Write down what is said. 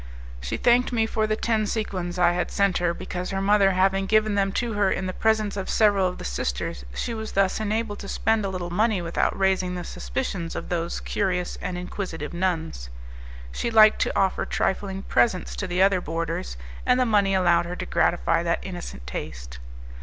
She thanked me for the ten sequins I had sent her, because, her mother having given them to her in the presence of several of the sisters, she was thus enabled to spend a little money without raising the suspicions of those curious and inquisitive nuns. She liked to offer trifling presents to the other boarders, and the money allowed her to gratify that innocent taste.